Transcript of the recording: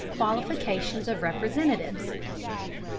QUALIFICATIONS OF REPRESENTATIVES.